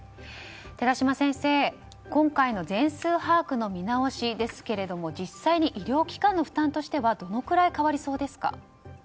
寺嶋先生、今回の全数把握の見直しですけれど実際に医療機関の負担としてはどのくらい変わりそうですか？